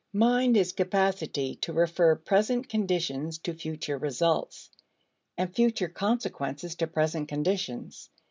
Mind is capacity to refer present conditions to future results, and future consequences to present conditions.